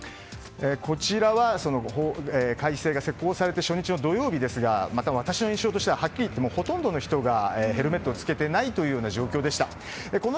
こちらは改正が施行された初日の土曜日ですが私の印象としてはほとんどの人がヘルメットを着けてない状況でした。